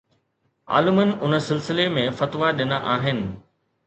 عالمن ان سلسلي ۾ فتوا ڏنا آهن